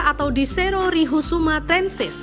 atau disero rihusumatensis